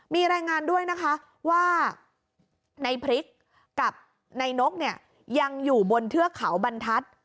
มีรายงานด้วยนะคะว่าในพริกกับนายนกเนี่ยยังอยู่บนเทือกเขาบรรทัศน์